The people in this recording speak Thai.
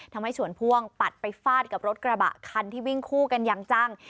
ทำให้สวนพ่วงปัดไปฟาดกับรถกระบะคันที่วิ่งคู่กันอย่างจัง